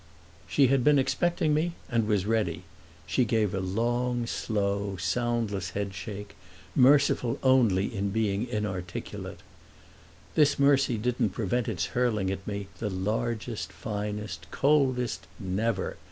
She had been expecting me and was ready. She gave a long slow soundless headshake, merciful only in being inarticulate. This mercy didn't prevent its hurling at me the largest finest coldest "Never!"